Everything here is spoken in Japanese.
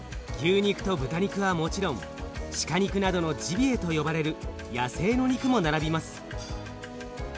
牛肉と豚肉はもちろん鹿肉などのジビエと呼ばれる野生の肉も並びます。